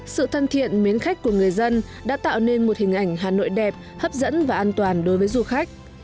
sự thân thiện mến khách của người dân đã tạo nên một hình ảnh hà nội đẹp hấp dẫn và an toàn đối với du khách